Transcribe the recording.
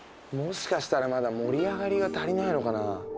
もしかしたらまだ盛り上がりが足りないのかなぁ。